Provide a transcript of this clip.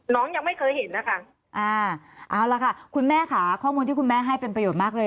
น้องยังไม่เคยเห็นนะคะคุณแม่ค่ะข้อมูลที่คุณแม่ให้เป็นประโยชน์มากเลย